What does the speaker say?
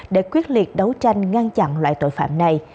để quyết liệt đấu tranh ngăn chặn loại tội phạm này